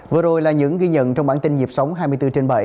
vừa rồi là những ghi nhận trong bản tin nhịp sống hai mươi bốn trên bảy